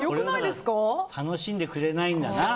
楽しんでくれないんだな。